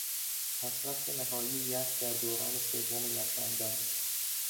پسرفت نهایی یخ در دوران سوم یخبندان